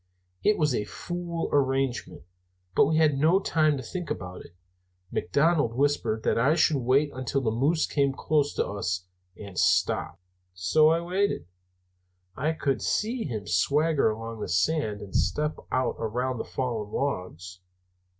It was a fool arrangement, but we had no time to think about it. McDonald whispered that I should wait until the moose came close to us and stopped. "So I waited. I could see him swagger along the sand and step out around the fallen logs.